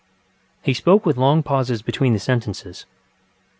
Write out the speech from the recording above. ŌĆØ He spoke with long pauses between the sentences.